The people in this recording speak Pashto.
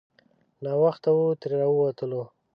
ناوخته وو ترې راووتلو.